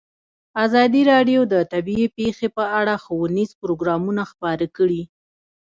ازادي راډیو د طبیعي پېښې په اړه ښوونیز پروګرامونه خپاره کړي.